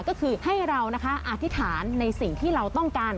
ก็คือให้เรานะคะอธิษฐานในสิ่งที่เราต้องการ